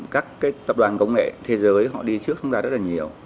các tập đoàn công nghệ thế giới họ đi trước chúng ta rất là nhiều